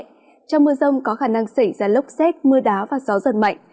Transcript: trong mưa rông có khả năng xảy ra lốc xét mưa đá và gió giật mạnh